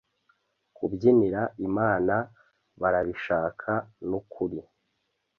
kubyinira imana barabishaka nukuri